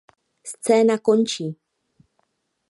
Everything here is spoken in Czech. Scéna končí.